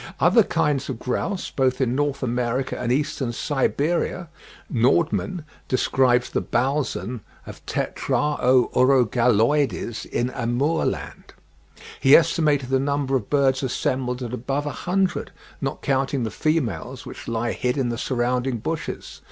Other kinds of grouse, both in North America and Eastern Siberia (1. Nordman describes ('Bull. Soc. Imp. des Nat. Moscou,' 1861, tom. xxxiv. p. 264) the balzen of Tetrao urogalloides in Amur Land. He estimated the number of birds assembled at above a hundred, not counting the females, which lie hid in the surrounding bushes.